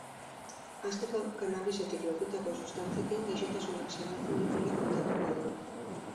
Hasteko, cannabis-etik lortutako sustantziekin gaixotasunak sendatzen dituela kontatuko digu.